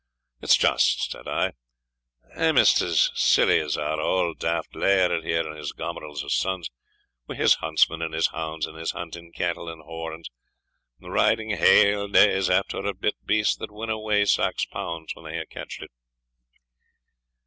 It's just,' said I, 'amaist as silly as our auld daft laird here and his gomerils o' sons, wi' his huntsmen and his hounds, and his hunting cattle and horns, riding haill days after a bit beast that winna weigh sax punds when they hae catched it.'"